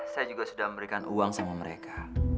saya juga sudah memberikan uang sama mereka